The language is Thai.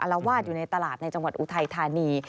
ละวาดอยู่ในตลาดในจังหวัดอุทัยธานี